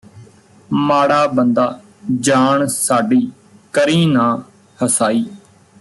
ਮਾੜਾ ਬੰਦਾ ਜਾਣ ਸਾਡੀ ਕਰੀਂ ਨਾ ਹਸਾਈ